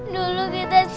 dulu kita susah